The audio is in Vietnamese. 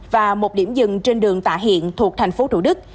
và một điểm dừng trên đường tạ hiện thuộc tp thủ đức